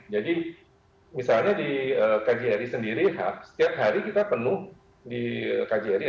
jadi misalnya di kjri sendiri setiap hari kita penuh di kjri